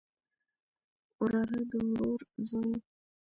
وراره د ورور زوی